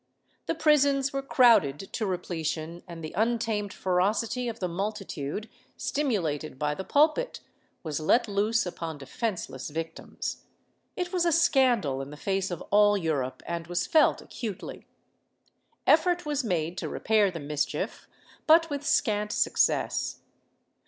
The prisons were crowded to repletion and the untamed ferocity of the mul titude, stimulated by the pulpit, was let loose upon defenceless victims. It was a scandal in the face of all Europe and was felt acutely. Effort was made to repair the mischief, but v/ith scant success.